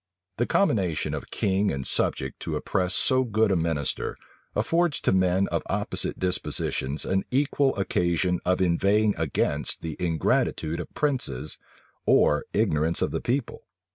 The combination of king and subject to oppress so good a minister, affords to men of opposite dispositions an equal occasion of inveighing against the ingratitude of princes, or ignorance of the people.